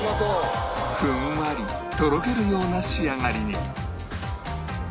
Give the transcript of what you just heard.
ふんわりとろけるような仕上がりに